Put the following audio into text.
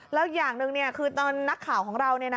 แล้วอย่างหนึ่งคือตอนนักข่าวของเรา